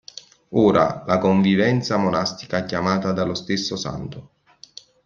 Ora, la convivenza monastica chiamata dallo stesso santo.